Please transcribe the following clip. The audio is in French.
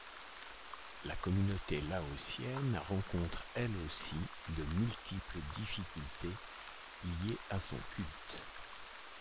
La communauté laotienne rencontre elle aussi de multiples difficultés liées à son culte.